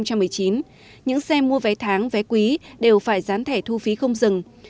những xe mua vé tháng vé quý đều phải dán thẻ thu phí không dừng